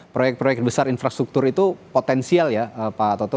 proyek proyek besar infrastruktur itu potensial ya pak toto